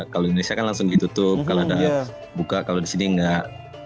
kalau indonesia kan langsung ditutup kalau ada buka kalau di sini enggak